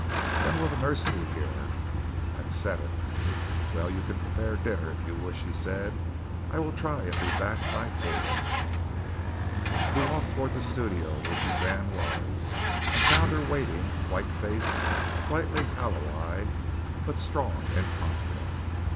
"When will the nurse be here?" "At seven." "Well, you can prepare dinner, if you wish," he said. "I will try and be back by four." He walked toward the studio where Suzanne was, and found her waiting, white faced, slightly hollow eyed, but strong and confident.